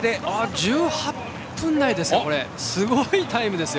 １８分台ですよ